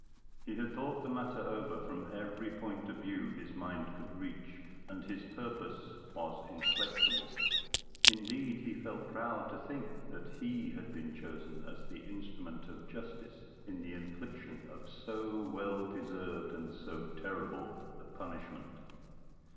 He had thought the matter over from every point of view his mind could reach, and his purpose was inflexible. Indeed, he felt proud to think that he had been chosen as the instrument of justice in the infliction of so well deserved and so terrible a punishment.